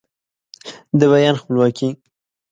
د بیان خپلواکي